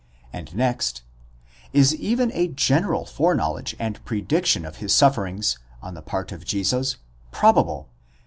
and next: Is even a general foreknowledge and. opt of his sufferings, on the part of Jesus, probable?